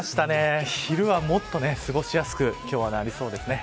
昼は、もっと過ごしやすく今日はなりそうですね。